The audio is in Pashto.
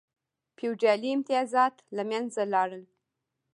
فیوډالي امتیازات له منځه لاړل.